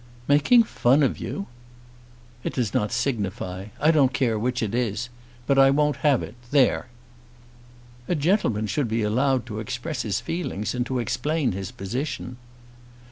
"Making fun of you!" "It does not signify. I don't care which it is. But I won't have it. There!" "A gentleman should be allowed to express his feelings and to explain his position."